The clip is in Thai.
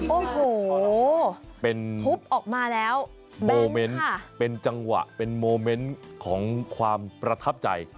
โอ้โหเป็นทุบออกมาแล้วโมเมนต์เป็นจังหวะเป็นโมเมนต์ของความประทับใจ